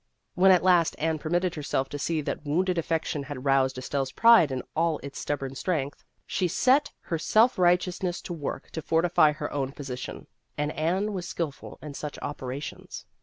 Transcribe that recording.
When at last Anne permitted herself to see that wounded affection had roused Estelle's pride in all its stubborn strength, she set her self righteousness to work to fortify her own position. And Anne was skillful in such operations.